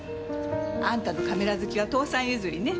あんたのカメラ好きは父さん譲りね。